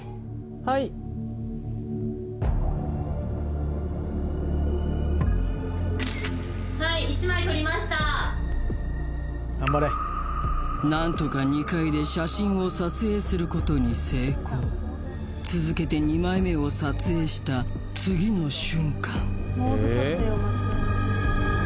はいはい１枚撮りました何とか２階で写真を撮影することに成功続けて２枚目を撮影した次の瞬間モード撮影を間違えました